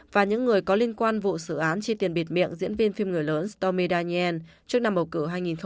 và những người có liên quan vụ sửa án chi tiền bịt miệng diễn viên phim người lớn stormy daniel trước năm bầu cử hai nghìn một mươi sáu